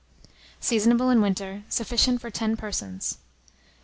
Seasonable in winter. Sufficient for 10 persons.